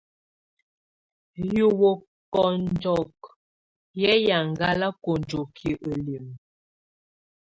Hiuye kɔnjɔkɔk, hɛ́ yaŋngala konjoki elim.